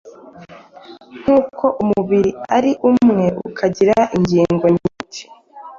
Nk’uko umubiri ari umwe, ukagira ingingo nyinshi,